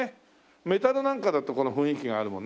メタルなんかだと雰囲気があるもんねまた。